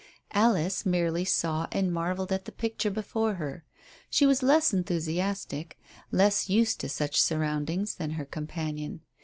Alice merely saw and marvelled at the picture before her. She was less enthusiastic, less used to such surroundings than her companion.